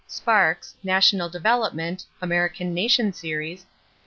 = Sparks, National Development (American Nation Series), pp.